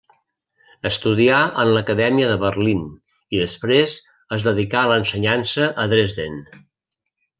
Estudià en l'Acadèmia de Berlín, i després es dedicà a l'ensenyança a Dresden.